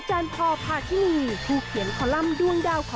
หมองไก่ตัวจริงสวัสดีค่ะ